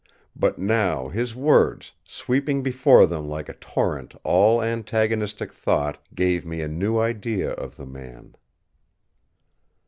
But now his words, sweeping before them like a torrent all antagonistic thought, gave me a new idea of the man.